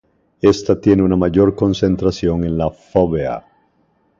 Esta tiene una mayor concentración en la fóvea.